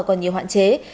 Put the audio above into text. còn nhiều hoạn chế